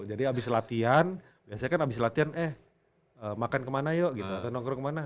abis latihan biasanya kan abis latihan eh makan kemana yuk gitu atau nongkrong kemana